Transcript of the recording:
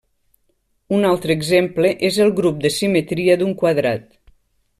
Un altre exemple és el grup de simetria d'un quadrat.